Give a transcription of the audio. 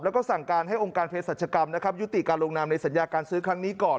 แล้วก็สั่งการให้องค์การเพศรัชกรรมนะครับยุติการลงนามในสัญญาการซื้อครั้งนี้ก่อน